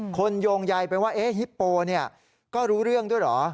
โยงใยไปว่าฮิปโปก็รู้เรื่องด้วยเหรอ